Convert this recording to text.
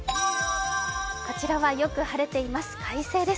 こちらはよく晴れています、快晴です。